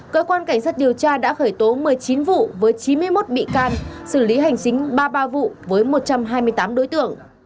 cơ quan cảnh sát điều tra đã khởi tố một mươi chín vụ với chín mươi một bị can xử lý hành chính ba mươi ba vụ với một trăm hai mươi tám đối tượng